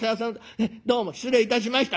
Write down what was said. へえどうも失礼いたしました。